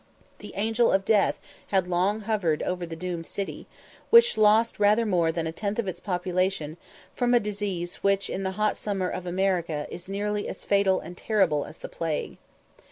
The Angel of Death had long hovered over the doomed city, which lost rather more than a tenth of its population from a disease which in the hot summer of America is nearly as fatal and terrible as the plague.